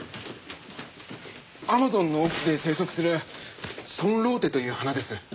アマゾンの奥地で生息するソンローテという花です。